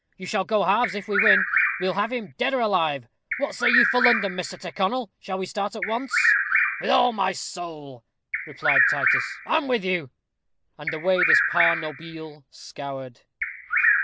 You shall go halves, if we win. We'll have him, dead or alive. What say you for London, Mr. Tyrconnel? Shall we start at once?" "With all my sowl," replied Titus. "I'm with you." And away this par nobile scoured.